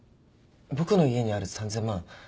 僕の家にある３，０００万